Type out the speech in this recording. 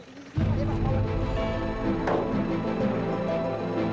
jangan ditambahin lagi